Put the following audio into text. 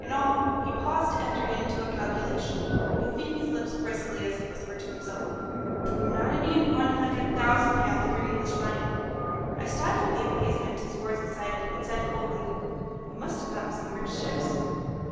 In all " he paused to enter into a calculation, moving his lips briskly as he whispered to himself "between ninety and one hundred thousand pounds of your English money." I stifled the amazement his words excited, and said coldly, "You must have met with some rich ships."